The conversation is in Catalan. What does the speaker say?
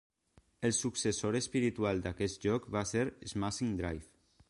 El successor espiritual d'aquest joc va ser "Smashing Drive".